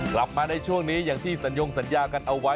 กลับมาในช่วงนี้อย่างที่สัญญงสัญญากันเอาไว้